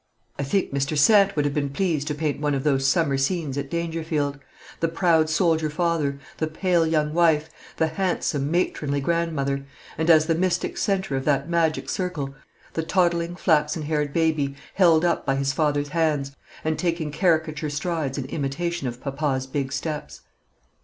I think Mr. Sant would have been pleased to paint one of those summer scenes at Dangerfield the proud soldier father; the pale young wife; the handsome, matronly grandmother; and, as the mystic centre of that magic circle, the toddling flaxen haired baby, held up by his father's hands, and taking caricature strides in imitation of papa's big steps.